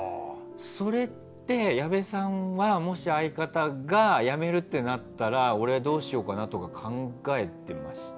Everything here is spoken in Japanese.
それって矢部さんはもし相方が辞めるってなったら俺どうしようかなとか考えてました？